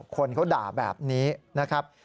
คนเขาด่าแบบนี้นะครับ